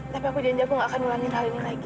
tapi aku janji aku gak akan ngulangin hal ini lagi